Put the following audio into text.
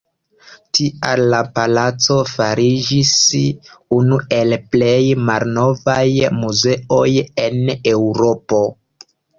Tial la palaco fariĝis unu el plej malnovaj muzeoj en Eŭropo.